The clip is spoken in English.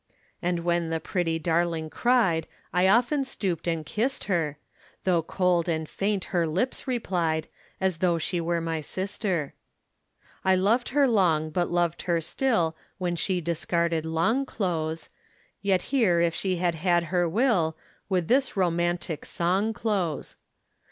And when the pretty darling cried, I often stooped and kissed her, Though cold and faint her lips replied, As though she were my sister. I loved her long but loved her still When she discarded long clothes, Yet here if she had had her will Would this romantic song close.